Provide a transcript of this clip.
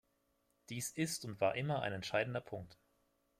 Dies ist und war immer ein entscheidender Punkt.